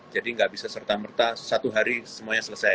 jadi tidak bisa serta merta satu hari semuanya selesai